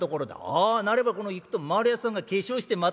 「ああなればこの行くと丸安さんが化粧して待っとるだな？」。